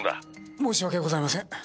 申し訳ございません。